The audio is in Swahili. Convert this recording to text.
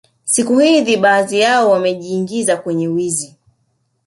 Siku hzi baadhi yao wamejiingiza kwenye wizi